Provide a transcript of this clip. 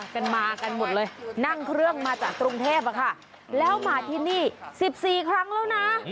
กันมากันหมดเลยนั่งเครื่องมาจากกรุงเทพอะค่ะแล้วมาที่นี่๑๔ครั้งแล้วนะ